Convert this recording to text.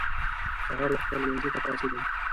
سهار وخته لمانځه ته پاڅېدم.